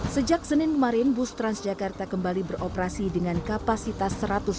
sejak senin kemarin bus transjakarta kembali beroperasi dengan kapasitas seratus